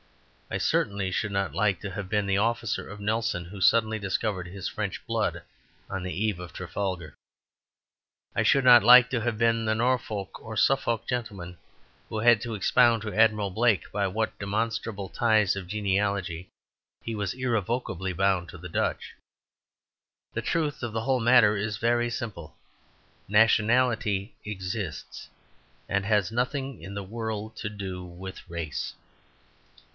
I certainly should not like to have been the officer of Nelson who suddenly discovered his French blood on the eve of Trafalgar. I should not like to have been the Norfolk or Suffolk gentleman who had to expound to Admiral Blake by what demonstrable ties of genealogy he was irrevocably bound to the Dutch. The truth of the whole matter is very simple. Nationality exists, and has nothing in the world to do with race.